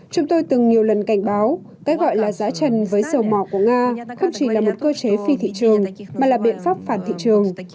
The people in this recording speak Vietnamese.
chúng tôi từng nhiều lần cảnh báo cái gọi là giá trần với dầu mỏ của nga không chỉ là một cơ chế phi thị trường mà là biện pháp phản thị trường